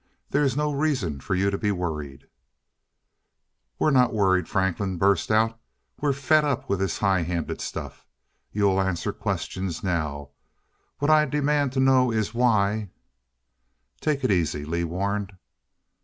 There is no reason for you to be worried " "We're not worried," Franklin burst out. "We're fed up with this highhanded stuff. You'll answer questions now. What I demand to know is why " "Take it easy," Lee warned.